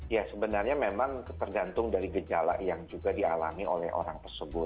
ya sebenarnya memang tergantung dari gejala yang juga dialami oleh orang tersebut